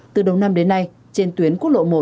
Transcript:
từ đầu năm đến nay trên tuyến quốc lộ một